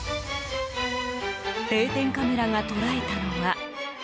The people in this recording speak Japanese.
定点カメラが捉えたのは。